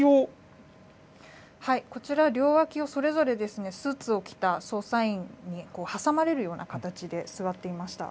こちら、両脇をそれぞれですね、スーツを着た捜査員に挟まれるような形で座っていました。